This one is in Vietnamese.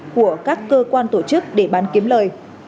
của các cơ quan tổ chức để bán kiếm lời